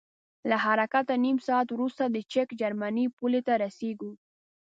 له حرکت نه نیم ساعت وروسته د چک جرمني پولې ته رسیږو.